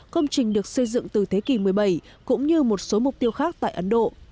công trình được xây dựng từ thế kỷ một mươi bảy cũng như một số mục tiêu khác tại ấn độ